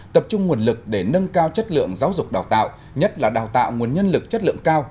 tập trung nguồn lực để nâng cao chất lượng giáo dục đào tạo nhất là đào tạo nguồn nhân lực chất lượng cao